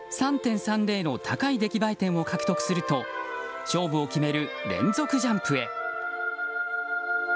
３．３０の高い出来栄え点を獲得すると勝負を決める連続ジャンプへ。